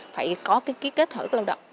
phải có cái kết thở của lao động